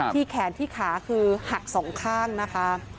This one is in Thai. ที่แขนที่ขาคือหัก๒ข้างนะคะ